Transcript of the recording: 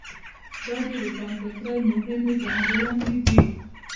دا د روښانفکرۍ مهمې ځانګړنې دي.